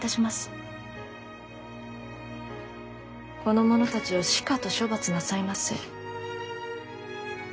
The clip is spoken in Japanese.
この者たちをしかと処罰なさいませ。